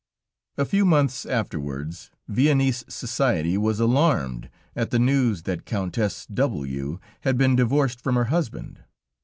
A few months afterwards, Viennese society was alarmed at the news that Countess W had been divorced from her husband.